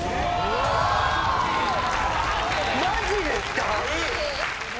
マジですか？